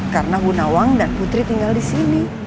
karena bu nawang dan putri tinggal di sini